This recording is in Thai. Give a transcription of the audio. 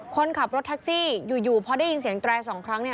คนขับรถแท็กซี่อยู่พอได้ยินเสียงแตรสองครั้งเนี่ย